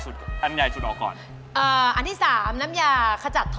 ใช่ครับมันเยอะมาก